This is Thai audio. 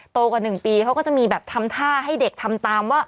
กว่า๑ปีเขาก็จะมีแบบทำท่าให้เด็กทำตามว่า